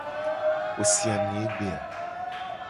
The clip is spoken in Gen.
Wo si ami egbe a?